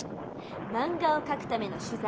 漫画を描くための取材。